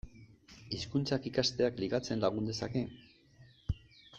Hizkuntzak ikasteak ligatzen lagun dezake?